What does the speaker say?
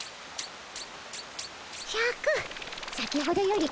シャク先ほどより軽いの。